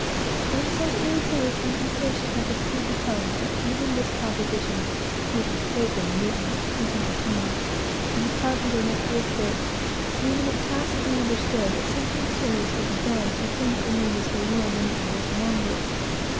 And so irritated and impatient had the crew become, that even this proposition, which was open mutiny, punishable with state prison, was entertained, and the carpenter went to his berth, leaving it tacitly understood that something serious would be done, if things remained as they were many hours longer.